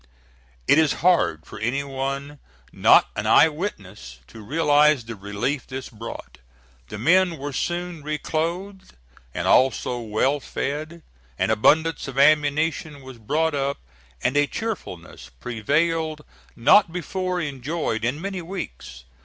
It is hard for any one not an eye witness to realize the relief this brought. The men were soon reclothed and also well fed, an abundance of ammunition was brought up, and a cheerfulness prevailed not before enjoyed in many weeks.